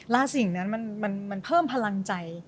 สิ่งนั้นมันเพิ่มพลังใจ